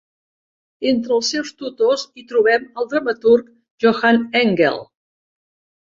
Entre els seus tutors hi trobem el dramaturg Johann Engel.